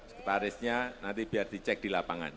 sekretarisnya nanti biar dicek di lapangan